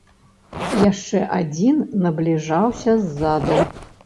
Яшчэ адзін набліжаўся ззаду.